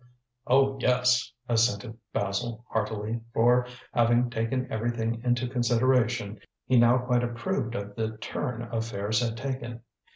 "Oh, yes," assented Basil heartily, for having taken everything into consideration, he now quite approved of the turn affairs had taken.